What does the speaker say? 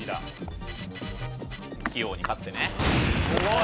すごい。